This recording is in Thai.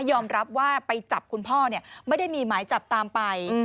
ยอมรับว่าไปจับคุณพ่อไม่ได้มีหมายจับตามไป